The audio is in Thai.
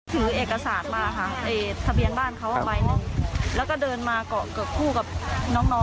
ถือเอกสารมาค่ะเอ่ยทะเบียนบ้านเขาออกไปหนึ่งแล้วก็เดินมาเกาะเกือบคู่กับน้อง